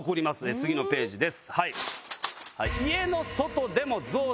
次のページです。